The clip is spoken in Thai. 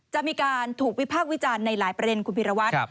จะมีการถูกวิพากษ์วิจารณ์ในหลายประเด็นคุณพิรวัตร